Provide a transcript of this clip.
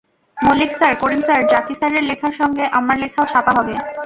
Mallick sir, Karim sir, Zaki স্যারের লেখার সঙ্গে আমার লেখাও ছাপা হবে।